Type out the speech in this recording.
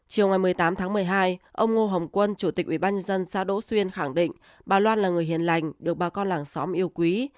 chiều ngày một mươi tám tháng một mươi hai ông ngo hồng quân chủ tịch ủy ban nhân dân xã đỗ xuyên khẳng định bà loan là người hiền lành được bà con làng xóm yêu quý